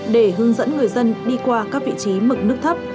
để hướng dẫn người dân đi qua các vị trí mực nước thấp